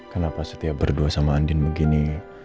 kenapa setiap berdua sama andin begini